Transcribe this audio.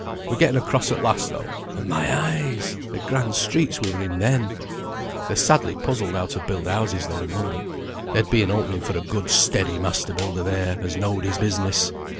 We getten across at last though, and my eyes! the grand streets we were in then! They're sadly puzzled how to build houses though in London; there'd be an opening for a good steady master builder there, as know'd his business.